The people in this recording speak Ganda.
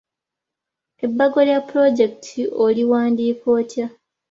Ebbago lya pulojekiti oliwandiika otya?